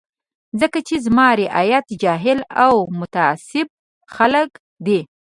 ځکه چې زما رعیت جاهل او متعصب خلک دي.